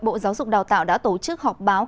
bộ giáo dục đào tạo đã tổ chức họp báo